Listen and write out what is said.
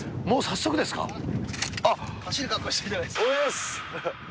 もう早速ですか。